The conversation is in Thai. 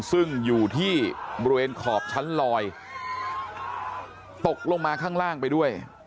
ซึ่งอยู่ที่บริเวณขอบชั้นลอยตกลงมาข้างล่างไปด้วย